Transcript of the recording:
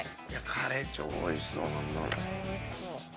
カレー超美味しそうなんだ。